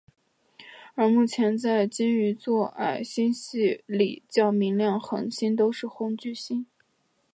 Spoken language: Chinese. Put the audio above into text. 而目前在鲸鱼座矮星系里较明亮恒星都是红巨星。